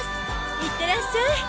いってらっしゃい。